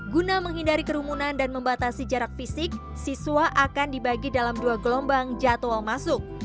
guna menghindari kerumunan dan membatasi jarak fisik siswa akan dibagi dalam dua gelombang jadwal masuk